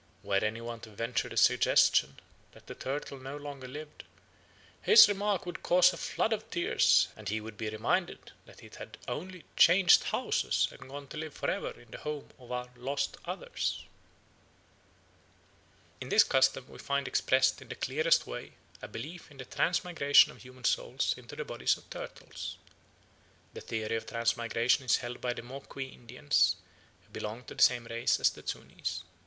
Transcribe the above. Were any one to venture the suggestion that the turtle no longer lived, his remark would cause a flood of tears, and he would be reminded that it had only 'changed houses and gone to live for ever in the home of "our lost others."'" In this custom we find expressed in the clearest way a belief in the transmigration of human souls into the bodies of turtles. The theory of transmigration is held by the Moqui Indians, who belong to the same race as the Zunis.